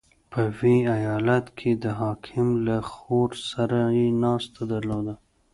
• په ویي ایالت کې د حاکم له خور سره یې ناسته درلوده.